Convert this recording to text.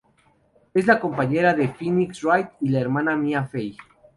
Es la compañera de Phoenix Wright y la hermana de Mia Fey.